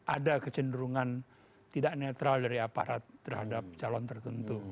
ada kecenderungan tidak netral dari aparat terhadap calon tertentu